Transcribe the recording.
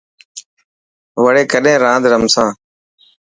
وڙي ڪڏهن راند رحسان.